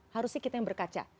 harusnya kita yang berkaca